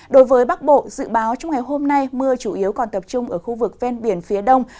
đối với bắc bộ dự báo trong ngày hôm nay mưa chủ yếu còn tập trung ở khu vực ven biển phía đông